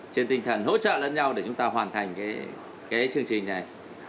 trên tinh thần hỗ trợ lẫn nhau để chúng ta hoàn thành cái chương trình này